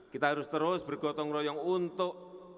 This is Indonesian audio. kita harus terus bergotong royong untuk membangun pancasila